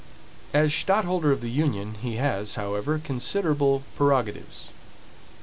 As stadtholder of the union, he has, however, considerable prerogatives.